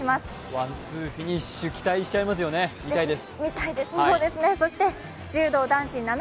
ワン・ツーフィニッシュを期待しちゃいますよね、見たいです。